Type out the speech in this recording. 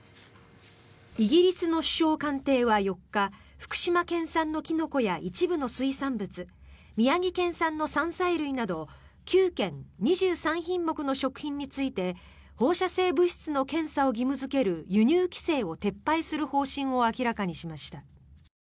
イギリスの首相官邸は４日福島県産のキノコや一部の水産物宮城県産の山菜類など９県２３品目の食品について放射性物質の検査を義務付ける輸入規制を撤廃する方針を明らかにしました。